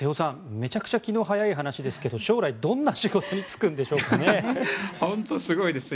めちゃくちゃ気の早い話ですが将来、どんな仕事に就くんでしょうかね。